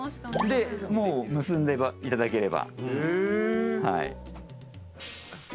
でもう結んでいただければ。